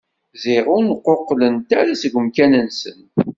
Ziɣ ur nquqlent ara seg umkan-nsent.